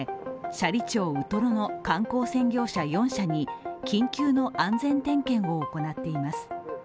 斜里町ウトロの観光船業者４社に緊急の安全点検を行っています。